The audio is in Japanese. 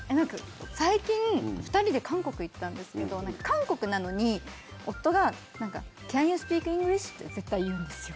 最近、２人で韓国に行ったんですけどなんか韓国なのに、夫がキャン・ユー・スピーク・イングリッシュ？って絶対言うんですよ。